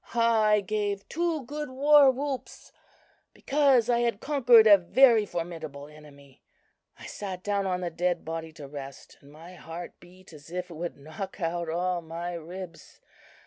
I gave two good warwhoops, because I had conquered a very formidable enemy. I sat down on the dead body to rest, and my heart beat as if it would knock out all my ribs.